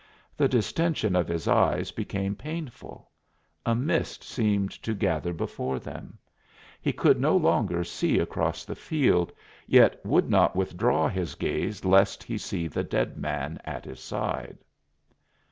The distension of his eyes became painful; a mist seemed to gather before them; he could no longer see across the field, yet would not withdraw his gaze lest he see the dead man at his side.